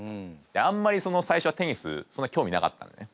あんまり最初はテニスそんな興味なかったんでね